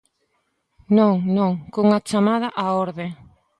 Non, non, cunha chamada á orde.